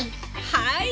はい！